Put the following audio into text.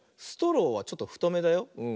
ストローはちょっとふとめだよ。